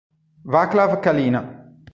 Václav Kalina